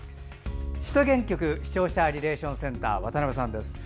首都圏局視聴者リレーションセンター渡邉さんです。